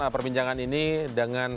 perbincangan ini dengan